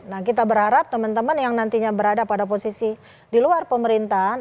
nah kita berharap teman teman yang nantinya berada pada posisi di luar pemerintahan